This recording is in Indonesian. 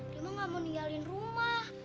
rima gak mau ninggalin rumah